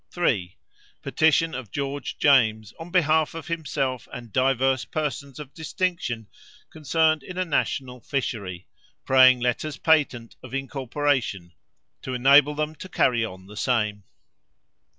"3. Petition of George James, on behalf of himself and divers persons of distinction concerned in a national fishery, praying letters patent of incorporation, to enable them to carry on the same.